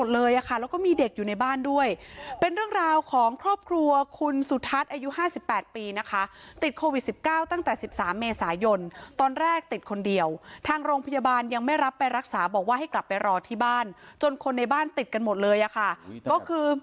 ติดโควิด๑๙ตั้งแต่๑๓เมษายนตอนแรกติดคนเดียวทางโรงพยาบาลยังไม่รับไปรักษาบอกว่าให้กลับไปรอที่บ้านจนคนในบ้านติดกันหมดเลยอ่ะค่ะก็คือ